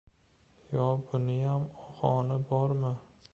Yo buniyam «ohoni» bormi?